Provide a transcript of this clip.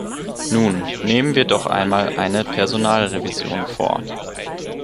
Nun, nehmen wir doch einmal eine Personalrevision vor.